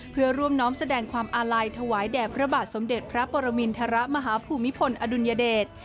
เพื่อร่วมน้อมแสดงความอาลัยถวายแด่พระบาทสมเด็จพระปรมินทรมาฮภูมิพลอดุลยเดช